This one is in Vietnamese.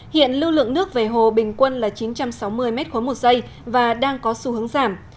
hiện lưu lượng nước về hồ bình quân là chín trăm sáu mươi m ba một giây và đang có xu hướng giảm